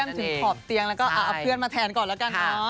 ไปเยี่ยมถึงขอบเตียงแล้วก็เอาเพื่อนมาแทนก่อนละกัน